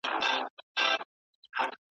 زما سترګې له اوښکو ډکې شي